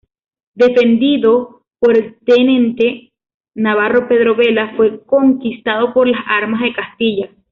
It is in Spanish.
Defendido por el tenente navarro Pedro Vela, fue conquistado por las armas de Castilla.